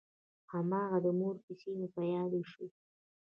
هماغه د مور کيسې مې په ياد شوې.